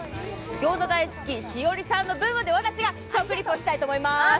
餃子大好き栞里さんの分まで私が食リポしたいと思います。